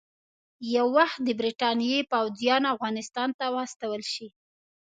یو وخت د برټانیې پوځیان افغانستان ته واستول شي.